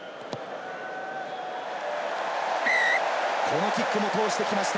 このキックも通してきました。